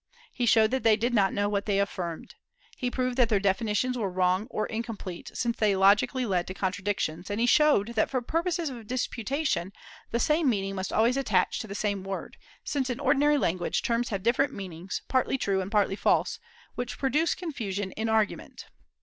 He showed that they did not know what they affirmed. He proved that their definitions were wrong or incomplete, since they logically led to contradictions; and he showed that for purposes of disputation the same meaning must always attach to the same word, since in ordinary language terms have different meanings, partly true and partly false, which produce confusion in argument.